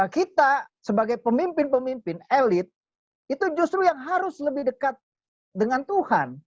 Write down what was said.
kita sebagai pemimpin pemimpin elit itu justru yang harus lebih dekat dengan tuhan